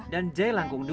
dan jai langkung dua